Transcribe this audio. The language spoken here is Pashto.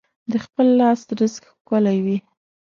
د خپل لاس رزق ښکلی وي.